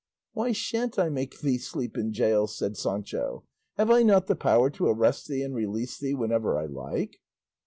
"Why shan't I make thee sleep in gaol?" said Sancho. "Have I not the power to arrest thee and release thee whenever I like?"